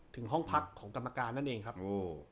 ถึงห้องพักของกรรมการนั่นเองครับโอ้